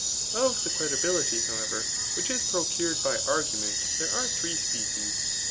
Of the credibility, however, \tfhich is procured by argument there are three species.